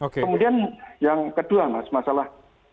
kemudian yang kedua mas masalah